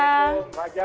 selamat pagi pak